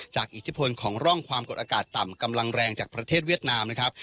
อิทธิพลของร่องความกดอากาศต่ำกำลังแรงจากประเทศเวียดนามนะครับ